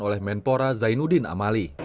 oleh menpora zainuddin amali